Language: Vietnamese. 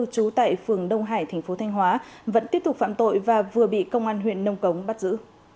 trú tại phường đông hải thành phố thanh hóa vẫn tiếp tục phạm tội và vừa bị công an huyện nông cống bắt giữ